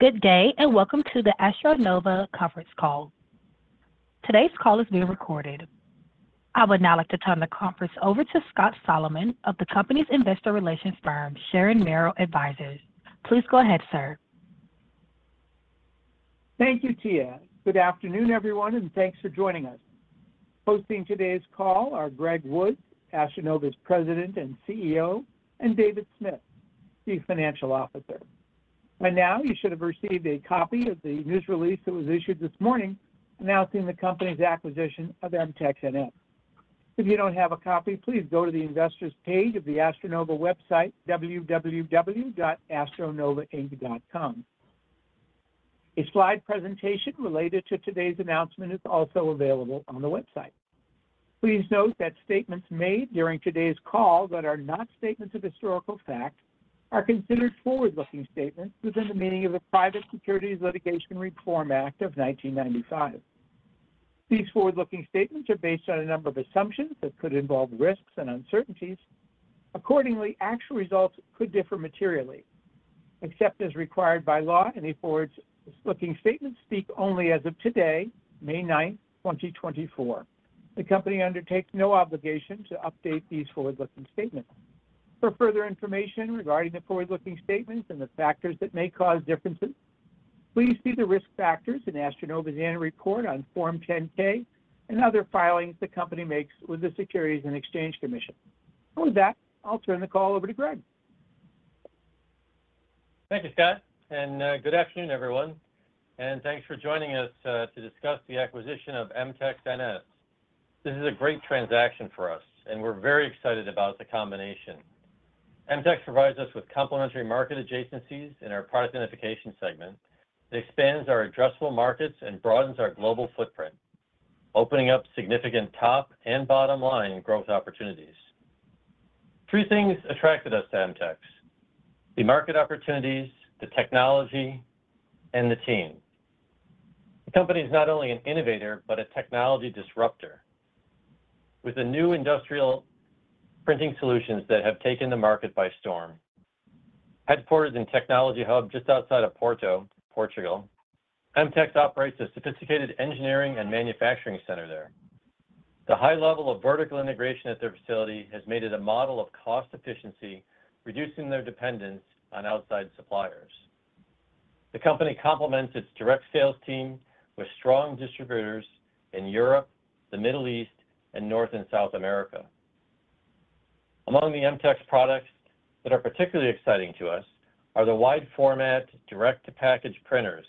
Good day and welcome to the AstroNova Conference Call. Today's call is being recorded. I would now like to turn the conference over to Scott Solomon of the company's investor relations firm, Sharon Merrill Advisors. Please go ahead, sir. Thank you, Tia. Good afternoon, everyone, and thanks for joining us. Hosting today's call are Greg Woods, AstroNova's President and CEO, and David Smith, Chief Financial Officer. By now, you should have received a copy of the news release that was issued this morning announcing the company's acquisition of MTEX NS. If you don't have a copy, please go to the investors' page of the AstroNova website, www.astronovainc.com. A slide presentation related to today's announcement is also available on the website. Please note that statements made during today's call that are not statements of historical fact are considered forward-looking statements within the meaning of the Private Securities Litigation Reform Act of 1995. These forward-looking statements are based on a number of assumptions that could involve risks and uncertainties. Accordingly, actual results could differ materially. Except as required by law, any forward-looking statements speak only as of today, May 9th, 2024. The company undertakes no obligation to update these forward-looking statements. For further information regarding the forward-looking statements and the factors that may cause differences, please see the risk factors in AstroNova's annual report on Form 10-K and other filings the company makes with the Securities and Exchange Commission. With that, I'll turn the call over to Greg. Thank you, Scott, and good afternoon, everyone. Thanks for joining us to discuss the acquisition of MTEX NS. This is a great transaction for us, and we're very excited about the combination. MTEX NS provides us with complementary market adjacencies in our product identification segment. It expands our addressable markets and broadens our global footprint, opening up significant top and bottom line growth opportunities. Three things attracted us to MTEX NS: the market opportunities, the technology, and the team. The company is not only an innovator but a technology disruptor with the new industrial printing solutions that have taken the market by storm. Headquartered in a technology hub just outside of Porto, Portugal, MTEX NS operates a sophisticated engineering and manufacturing center there. The high level of vertical integration at their facility has made it a model of cost efficiency, reducing their dependence on outside suppliers. The company complements its direct sales team with strong distributors in Europe, the Middle East, and North and South America. Among the MTEX NS's products that are particularly exciting to us are the wide-format direct-to-package printers,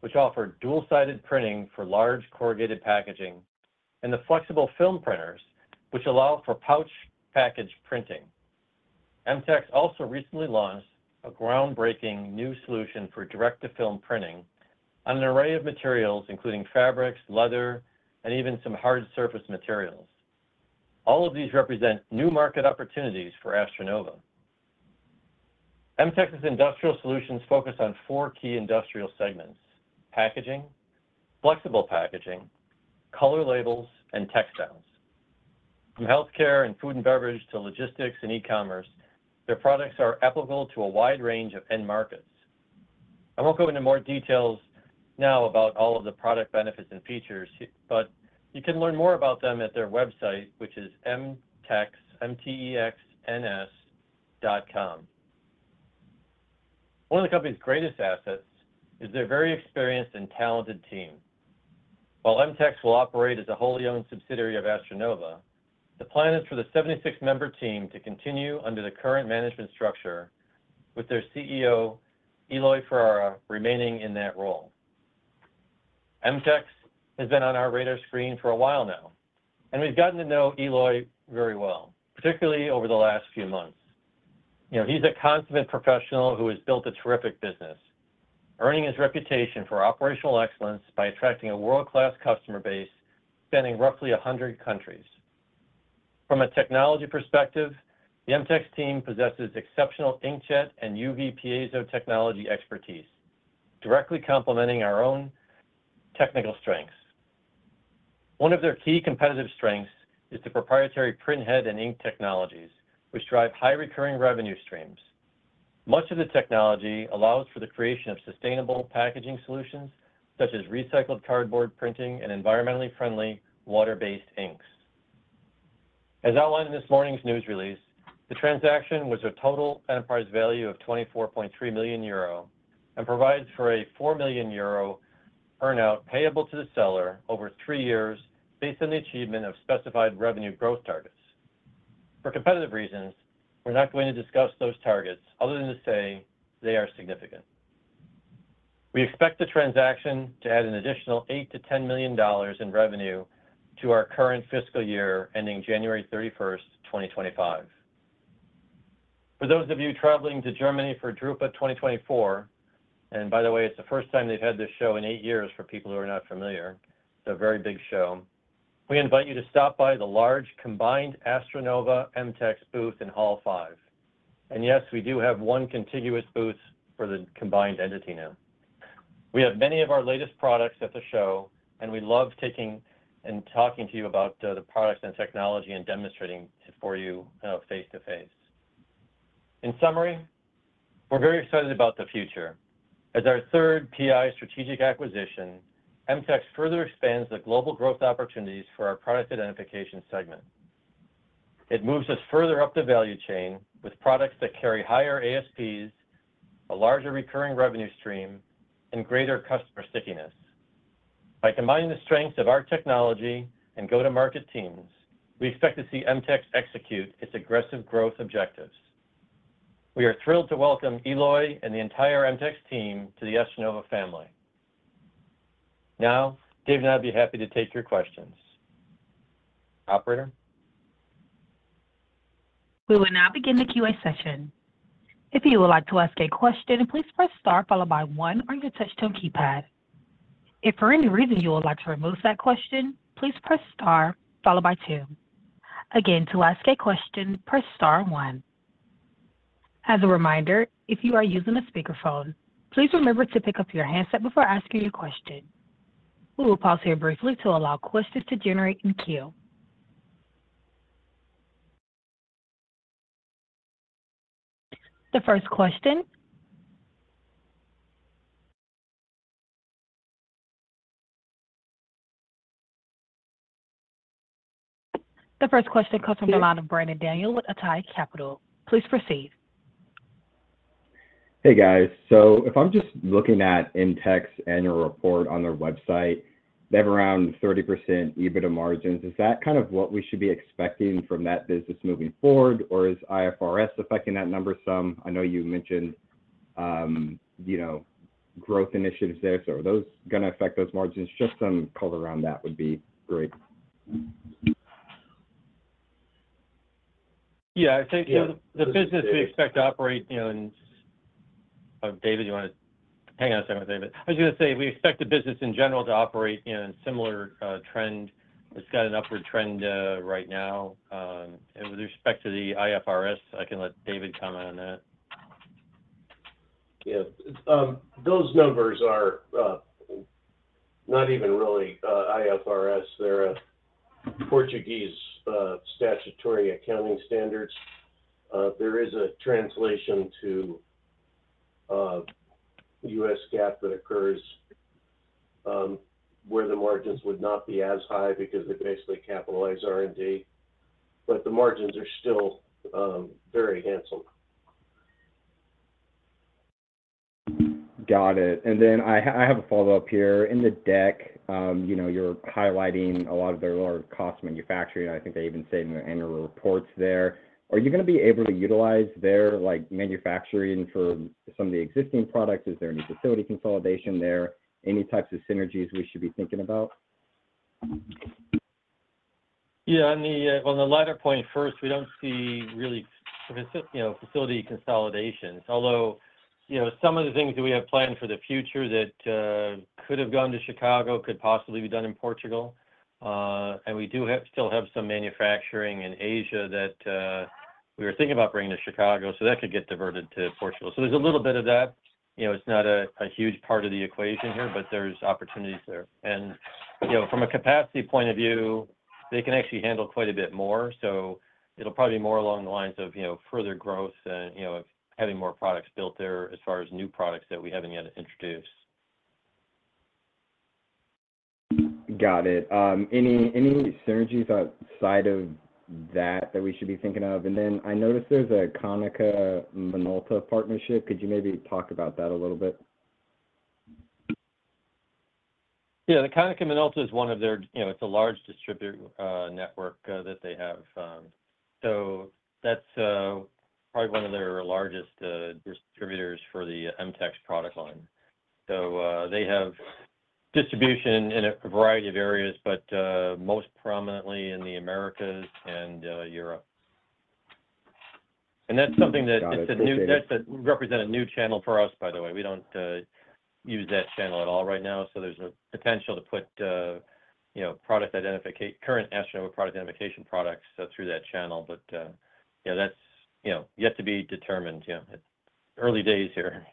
which offer dual-sided printing for large corrugated packaging, and the flexible film printers, which allow for pouch package printing. MTEX NS also recently launched a groundbreaking new solution for direct-to-film printing on an array of materials, including fabrics, leather, and even some hard surface materials. All of these represent new market opportunities for AstroNova. MTEX NS's industrial solutions focus on four key industrial segments: packaging, flexible packaging, color labels, and textiles. From healthcare and food and beverage to logistics and e-commerce, their products are applicable to a wide range of end markets. I won't go into more details now about all of the product benefits and features, but you can learn more about them at their website, which is mtexns.com. One of the company's greatest assets is their very experienced and talented team. While MTEX NS will operate as a wholly owned subsidiary of AstroNova, the plan is for the 76-member team to continue under the current management structure, with their CEO, Elói Ferreira, remaining in that role. MTEX NS has been on our radar screen for a while now, and we've gotten to know Elói very well, particularly over the last few months. He's a consummate professional who has built a terrific business, earning his reputation for operational excellence by attracting a world-class customer base spanning roughly 100 countries. From a technology perspective, the MTEX NS team possesses exceptional inkjet and UV piezo technology expertise, directly complementing our own technical strengths. One of their key competitive strengths is the proprietary printhead and ink technologies, which drive high-recurring revenue streams. Much of the technology allows for the creation of sustainable packaging solutions such as recycled cardboard printing and environmentally friendly water-based inks. As outlined in this morning's news release, the transaction was a total enterprise value of 24.3 million euro and provides for a 4 million euro earnout payable to the seller over three years based on the achievement of specified revenue growth targets. For competitive reasons, we're not going to discuss those targets other than to say they are significant. We expect the transaction to add an additional $8-$10 million in revenue to our current fiscal year ending January 31st, 2025. For those of you traveling to Germany for drupa 2024, and by the way, it's the first time they've had this show in eight years for people who are not familiar, it's a very big show, we invite you to stop by the large combined AstroNova MTEX booth in Hall 5. Yes, we do have one contiguous booth for the combined entity now. We have many of our latest products at the show, and we love taking and talking to you about the products and technology and demonstrating it for you face to face. In summary, we're very excited about the future. As our third PI strategic acquisition, MTEX further expands the global growth opportunities for our product identification segment. It moves us further up the value chain with products that carry higher ASPs, a larger recurring revenue stream, and greater customer stickiness. By combining the strengths of our technology and go-to-market teams, we expect to see MTEX execute its aggressive growth objectives. We are thrilled to welcome Elói and the entire MTEX team to the AstroNova family. Now, David and I would be happy to take your questions. Operator? We will now begin the Q&A session. If you would like to ask a question, please press star followed by one on your touchscreen keypad. If for any reason you would like to remove that question, please press star followed by two. Again, to ask a question, press star one. As a reminder, if you are using a speakerphone, please remember to pick up your handset before asking your question. We will pause here briefly to allow questions to generate in queue. The first question? The first question comes from the line of Brandon Daniel with Atai Capital. Please proceed. Hey, guys. So if I'm just looking at MTEX's annual report on their website, they have around 30% EBITDA margins. Is that kind of what we should be expecting from that business moving forward, or is IFRS affecting that number some? I know you mentioned growth initiatives there. So are those going to affect those margins? Just some color around that would be great. Yeah. I think the business we expect to operate in. David, you want to hang on a second with David. I was going to say we expect the business in general to operate in a similar trend. It's got an upward trend right now. And with respect to the IFRS, I can let David comment on that. Yes. Those numbers are not even really IFRS. They're Portuguese statutory accounting standards. There is a translation to U.S. GAAP that occurs where the margins would not be as high because they basically capitalize R&D. But the margins are still very handsome. Got it. Then I have a follow-up here. In the deck, you're highlighting a lot of their low-cost manufacturing. I think they even say in the annual reports there. Are you going to be able to utilize their manufacturing for some of the existing products? Is there any facility consolidation there? Any types of synergies we should be thinking about? Yeah. On the lighter point first, we don't see really facility consolidations, although some of the things that we have planned for the future that could have gone to Chicago could possibly be done in Portugal. And we do still have some manufacturing in Asia that we were thinking about bringing to Chicago, so that could get diverted to Portugal. So there's a little bit of that. It's not a huge part of the equation here, but there's opportunities there. And from a capacity point of view, they can actually handle quite a bit more. So it'll probably be more along the lines of further growth and having more products built there as far as new products that we haven't yet introduced. Got it. Any synergies outside of that that we should be thinking of? And then I noticed there's a Konica Minolta partnership. Could you maybe talk about that a little bit? Yeah. The Konica Minolta is one of theirs. It's a large distributor network that they have. So that's probably one of their largest distributors for the MTEX NS's product line. So they have distribution in a variety of areas, but most prominently in the Americas and Europe. And that's something that it represents a new channel for us, by the way. We don't use that channel at all right now. So there's a potential to put current AstroNova product identification products through that channel. But that's yet to be determined. Early days here.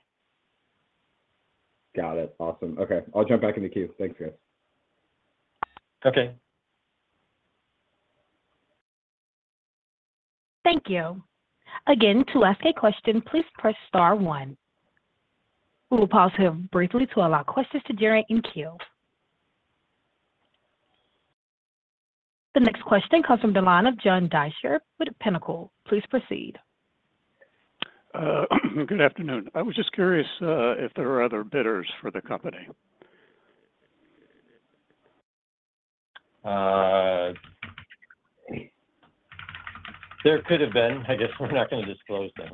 Got it. Awesome. Okay. I'll jump back into queue. Thanks, guys. Okay. Thank you. Again, to ask a question, please press star one. We will pause here briefly to allow questions to generate in queue. The next question comes from the line of John Deysher with Pinnacle. Please proceed. Good afternoon. I was just curious if there were other bidders for the company. There could have been. I guess we're not going to disclose them.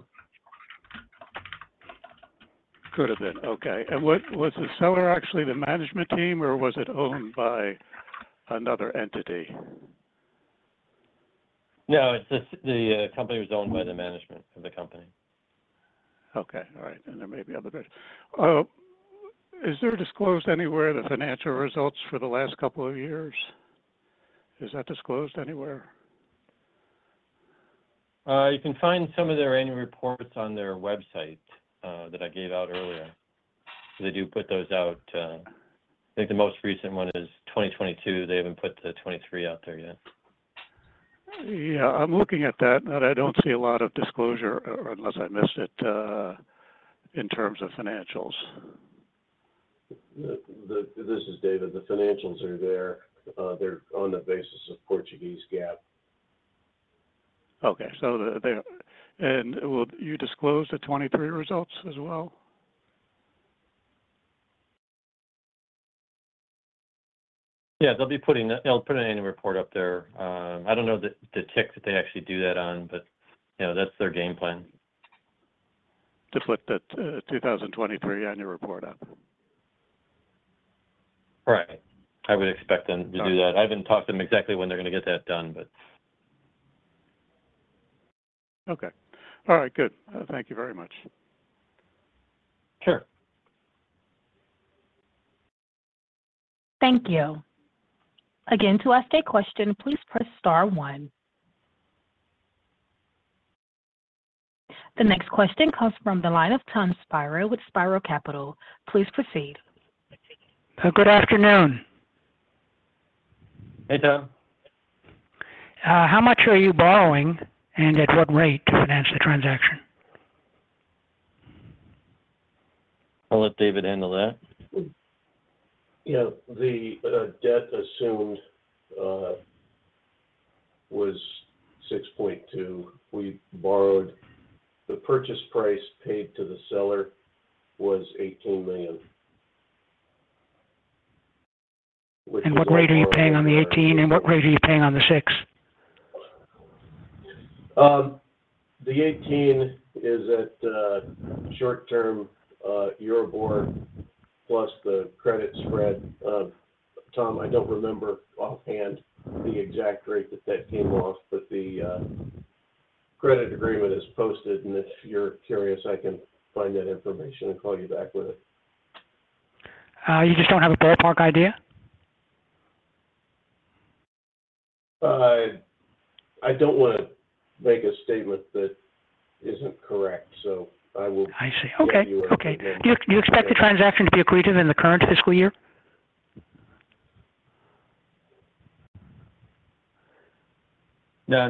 Could have been. Okay. And was the seller actually the management team, or was it owned by another entity? No. The company was owned by the management of the company. Okay. All right. There may be other bidders. Is there disclosed anywhere the financial results for the last couple of years? Is that disclosed anywhere? You can find some of their annual reports on their website that I gave out earlier. They do put those out. I think the most recent one is 2022. They haven't put the 2023 out there yet. Yeah. I'm looking at that, and I don't see a lot of disclosure unless I missed it in terms of financials. This is David. The financials are there. They're on the basis of Portuguese GAAP. Okay. Will you disclose the 2023 results as well? Yeah. They'll be putting an annual report up there. I don't know the tick that they actually do that on, but that's their game plan. To put the 2023 annual report up? Right. I would expect them to do that. I haven't talked to them exactly when they're going to get that done, but. Okay. All right. Good. Thank you very much. Sure. Thank you. Again, to ask a question, please press star one. The next question comes from the line of Tom Spiro with Spiro Capital. Please proceed. Good afternoon. Hey, Tom. How much are you borrowing and at what rate to finance the transaction? I'll let David handle that. The debt assumed was 6.2 million. The purchase price paid to the seller was 18 million, which was. What rate are you paying on the 18? And what rate are you paying on the 6? The 18 is at short-term Euribor plus the credit spread. Tom, I don't remember offhand the exact rate that that came off, but the credit agreement is posted. If you're curious, I can find that information and call you back with it. You just don't have a ballpark idea? I don't want to make a statement that isn't correct, so I will let you know. I see. Okay. Okay. Do you expect the transaction to be accretive in the current fiscal year? No.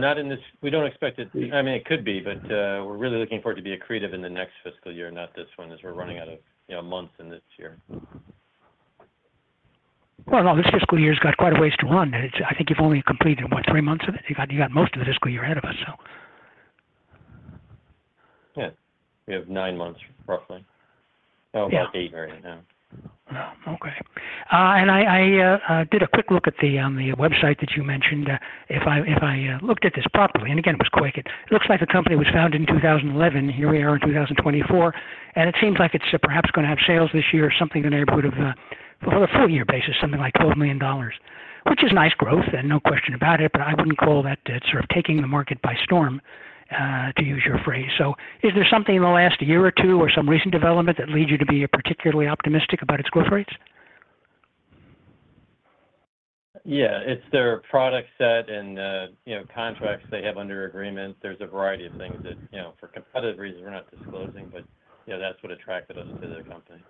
We don't expect it to—I mean, it could be—but we're really looking for it to be accretive in the next fiscal year, not this one, as we're running out of months in this year. Well, no. This fiscal year's got quite a ways to run. I think you've only completed, what, three months of it? You've got most of the fiscal year ahead of us, so. Yeah. We have nine months, roughly. Oh, about eight right now. Okay. And I did a quick look at the website that you mentioned. If I looked at this properly and again, it was quick. It looks like the company was founded in 2011. Here we are in 2024. And it seems like it's perhaps going to have sales this year or something in the neighborhood of on a full-year basis, something like $12 million, which is nice growth and no question about it. But I wouldn't call that sort of taking the market by storm, to use your phrase. So is there something in the last year or two or some recent development that leads you to be particularly optimistic about its growth rates? Yeah. It's their product set and contracts they have under agreement. There's a variety of things that for competitive reasons, we're not disclosing, but that's what attracted us to their company.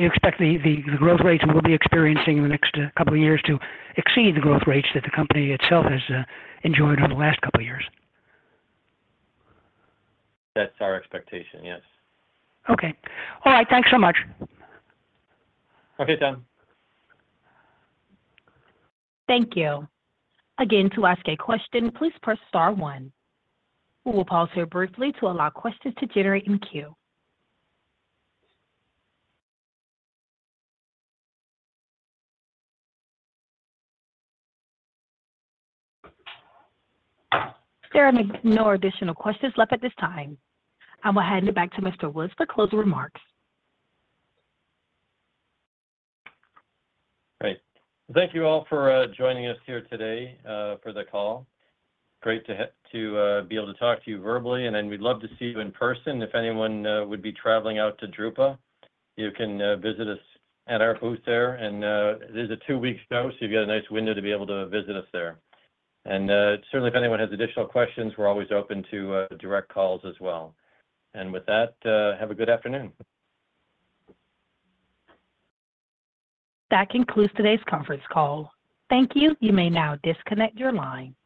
You expect the growth rates we'll be experiencing in the next couple of years to exceed the growth rates that the company itself has enjoyed over the last couple of years? That's our expectation. Yes. Okay. All right. Thanks so much. Okay, Tom. Thank you. Again, to ask a question, please press star one. We will pause here briefly to allow questions to generate in queue. There are no additional questions left at this time. I'm going to hand it back to Mr. Woods for closing remarks. Great. Thank you all for joining us here today for the call. Great to be able to talk to you verbally. And then we'd love to see you in person. If anyone would be traveling out to drupa, you can visit us at our booth there. And it is a two-week show, so you've got a nice window to be able to visit us there. And certainly, if anyone has additional questions, we're always open to direct calls as well. And with that, have a good afternoon. That concludes today's conference call. Thank you. You may now disconnect your line.